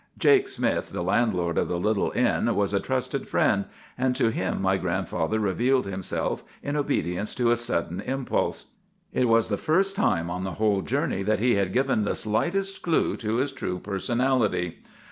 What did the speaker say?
"Jake Smith, the landlord of the little inn, was a trusted friend; and to him my grandfather revealed himself in obedience to a sudden impulse. It was the first time on the whole journey that he had given the slightest clew to his true personality.